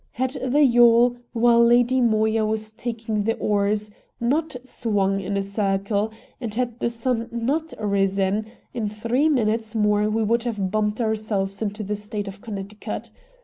Had the yawl, while Lady Moya was taking the oars, NOT swung in a circle, and had the sun NOT risen, in three minutes more we would have bumped ourselves into the State of Connecticut.